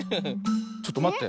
ちょっとまって。